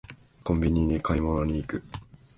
コンビニに買い物に行く